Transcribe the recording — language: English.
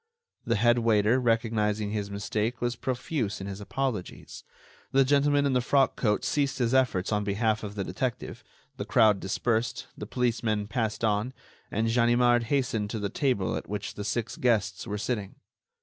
The head waiter, recognizing his mistake, was profuse in his apologies; the gentleman in the frock coat ceased his efforts on behalf of the detective, the crowd dispersed, the policemen passed on, and Ganimard hastened to the table at which the six guests were sitting.